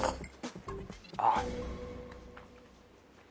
あっ。